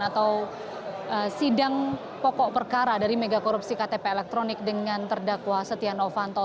atau sidang pokok perkara dari mega korupsi ktp elektronik dengan terdakwa setia novanto